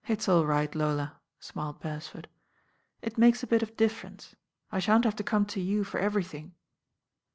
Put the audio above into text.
"It's aU right, Lola," smiled Beresford. "It makes a bit of difference. I shan't have to come to you for everything."